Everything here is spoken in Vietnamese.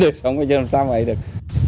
không có gì làm sao mà đi được